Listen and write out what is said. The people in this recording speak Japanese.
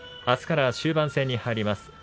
あすから終盤戦に入ります。